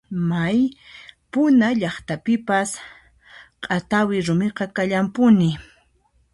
May puna llaqtapipas q'atawi rumiqa kallanpuni.